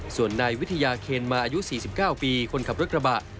ส่วนนายวิทยาเคนมาอายุ๔๙ปีคนขับรถกระบะ